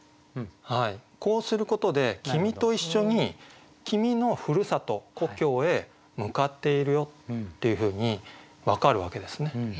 こうすることで君と一緒に君のふるさと故郷へ向かっているよっていうふうに分かるわけですね。